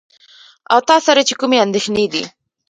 او تاسره چې کومې اندېښنې دي .